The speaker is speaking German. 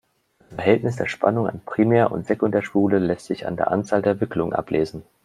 Das Verhältnis der Spannung an Primär- und Sekundärspule lässt sich an der Anzahl der Wicklungen ablesen.